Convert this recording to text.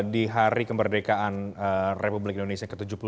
di hari kemerdekaan republik indonesia ke tujuh puluh tiga